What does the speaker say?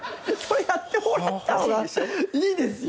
やってもらった方がいいですよ。